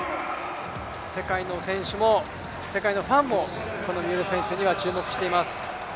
世界の選手も、世界のファンもこの三浦選手には注目しています。